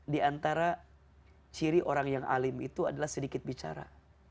di antara ciri orang yang alim itu adalah sedikit bicara